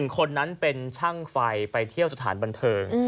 คนนั้นเป็นช่างไฟไปเที่ยวสถานบันเทิง